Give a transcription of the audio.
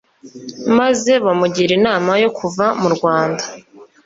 maze bamugira inama yo kuva mu Rwanda